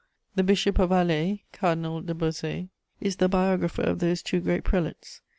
The Bishop of Alais, Cardinal de Bausset, is the biographer of those two great prelates.